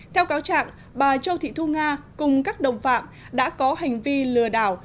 theo cáo trạng bà châu thị thu nga cùng các đồng phạm đã có hành vi lừa đảo